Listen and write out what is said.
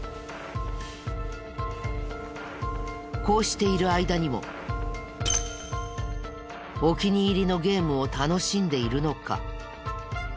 こうしている間にもお気に入りのゲームを楽しんでいるのか？